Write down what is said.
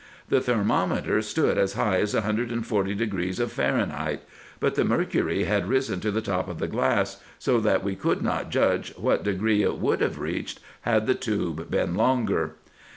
The thermometer stood as high as 124° of Fahrenheit ; but the mercury had risen to the top of the glass, so that we could not judge what degree it would have reached had the tube been longer.